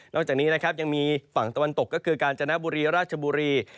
จากนี้นะครับยังมีฝั่งตะวันตกก็คือกาญจนบุรีราชบุรี